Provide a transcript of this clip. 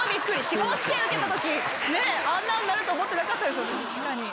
司法試験受けた時あんなんなると思ってなかったですよね。